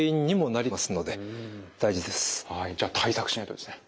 はいじゃあ対策しないとですね。